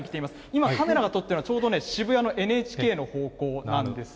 今、カメラが撮っているのはちょうど渋谷のＮＨＫの方向なんです